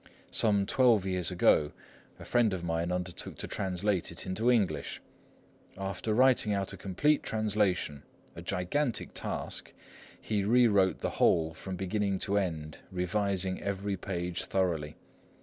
Some twelve years ago, a friend of mine undertook to translate it into English. After writing out a complete translation,—a gigantic task,—he rewrote the whole from beginning to end, revising every page thoroughly.